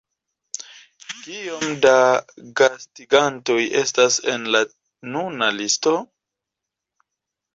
Kiom da gastigantoj estas en la nuna listo?